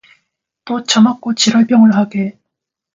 또 처먹고 지랄병을 하게.